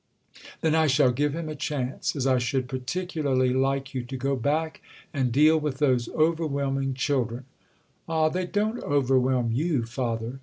"Then I shall give him a chance—as I should particularly like you to go back and deal with those overwhelming children." "Ah, they don't overwhelm you, father!"